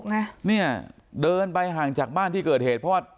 ไงเนี่ยเดินไปห่างจากบ้านที่เกิดเหตุเพราะว่า